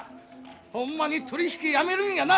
ほんまに取り引きやめるんやな？